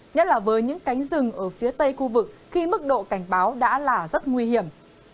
nhất là với những cánh rừng ở phía tây khu vực khi mức độ cảnh báo đã là rất nguy hiểm